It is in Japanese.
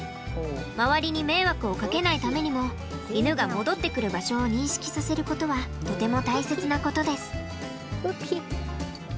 周りに迷惑をかけないためにも犬が戻ってくる場所を認識させることはとても大切なことです。